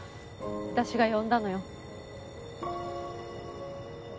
私が呼んだのよ。